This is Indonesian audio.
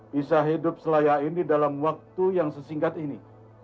bisa hidup selayak ini dalam waktu yang sesingkat ini